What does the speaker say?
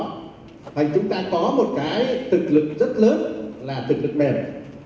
thành chúng ta có một cái thực lực rất lớn là thực lực mềm